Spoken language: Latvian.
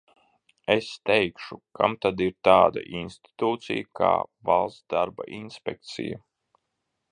Es teikšu: kam tad ir tāda institūcija kā Valsts darba inspekcija?